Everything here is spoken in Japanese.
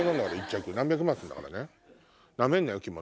１着何百万もするんだからね。